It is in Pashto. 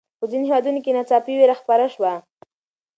په ځینو هېوادونو کې ناڅاپي ویره خپره شوه.